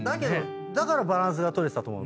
だからバランスが取れてたと思う。